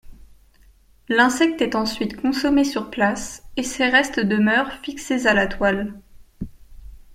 L'insecte est ensuite consommé sur place, et ses restes demeurent fixés à la toile.